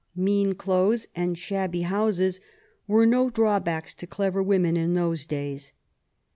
Mean clothes and shabby houses were no drawbacks to clever women in those days.